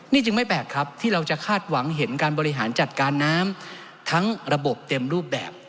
นี่จึงไม่แปลกครับที่เราจะคาดหวังเห็นการบริหารจัดการน้ำทั้งระบบเต็มรูปแบบ